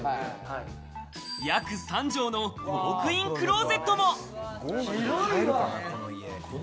約３帖のウォークインクローゼットも。